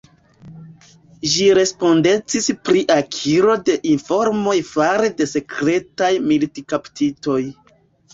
Ĝi respondecis pri akiro de informoj fare de sekretaj militkaptitoj.